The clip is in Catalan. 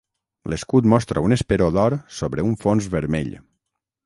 L'escut mostra un esperó d'or sobre un fons vermell.